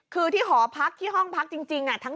คือที่หอพักที่ห้องพักจริง